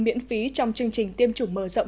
miễn phí trong chương trình tiêm chủng mở rộng